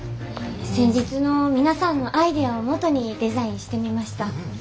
先日の皆さんのアイデアを基にデザインしてみました。